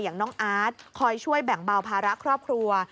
อย่างน้องอาร์ตคอยช่วยแบ่งเบาภาระครอบครัว